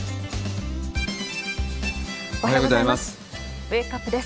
おはようございます。